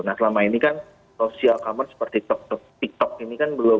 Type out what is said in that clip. nah selama ini kan social commerce seperti tiktok ini kan belum